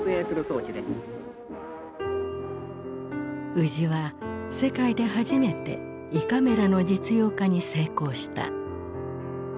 宇治は世界で初めて胃カメラの実用化に成功した。